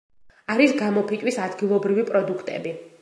არის გამოფიტვის ადგილობრივი პროდუქტები.